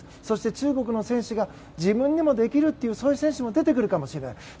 そして中国の選手が自分にもできるというそういう選手も出てくるかもしれない。